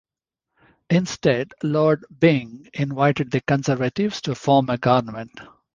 Instead Lord Byng invited the Conservatives to form a government.